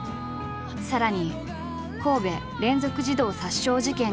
さらに神戸連続児童殺傷事件が発生。